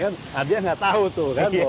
kan dia nggak tahu tuh kan